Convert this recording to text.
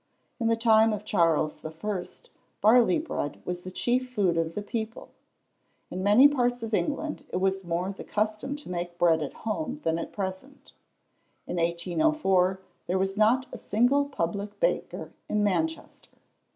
In the time of Charles the First, barley bread was the chief food of the people. In many parts of England it was more the custom to make bread at home than at present. In 1804, there was not a single public baker in Manchester.